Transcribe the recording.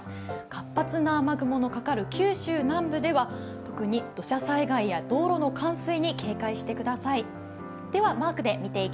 活発な雨雲のかかる九州南部では特に土砂災害や道路の冠水に警戒してください。